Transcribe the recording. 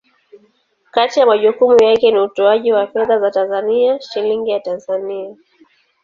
Kati ya majukumu yake ni utoaji wa fedha za Tanzania, Shilingi ya Tanzania.